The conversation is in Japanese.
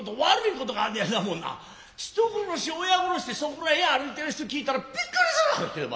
もうな人殺し親殺してそこら辺歩いてる人聞いたらびっくりするがな。